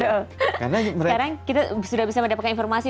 sekarang kita sudah bisa mendapatkan informasi